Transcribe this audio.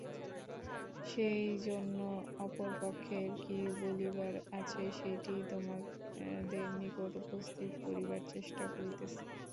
সেইজন্য অপর পক্ষেরও কি বলিবার আছে, সেইটিই তোমাদের নিকট উপস্থিত করিবার চেষ্টা করিতেছি।